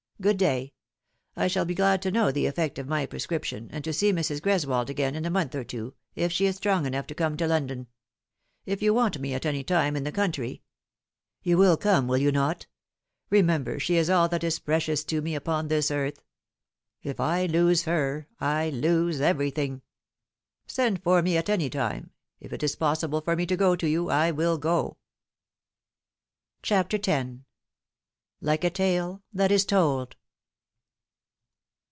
Good day. I shall be glad to know the effect of my prescription, and to see Mrs. Greswold again in a month or two, if she is strong enough to come to London. If you want me at any time in the coun try "" You will come, will you not ? Remember she is all that is precious to me upon this earth. If I lose her I lose everything." " Send for me at any time. If it is possible for me to go to you I will go." CHAPTER X. LIKE A TALE THAT IS TOLD.